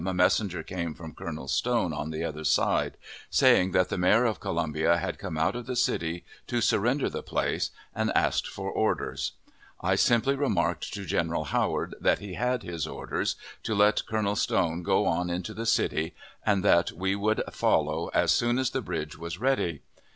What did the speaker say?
a messenger came from Colonel Stone on the other aide, saying that the Mayor of Columbia had come out of the city to surrender the place, and asking for orders. I simply remarked to General Howard that he had his orders, to let Colonel Stone go on into the city, and that we would follow as soon as the bridge was ready.